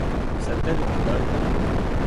Все те відкидають набік.